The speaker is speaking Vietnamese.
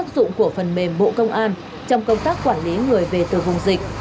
dụng của phần mềm bộ công an trong công tác quản lý người về từ vùng dịch